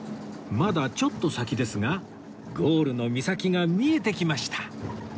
まだちょっと先ですがゴールの岬が見えてきました